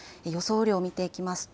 雨量を見ていきますと